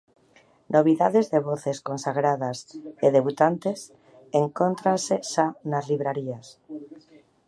Novidades de voces consagradas e debutantes encóntrase xa nas librarías.